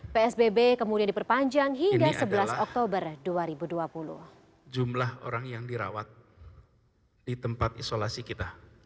psbb kemudian diperpanjang hingga sebelas oktober dua ribu dua puluh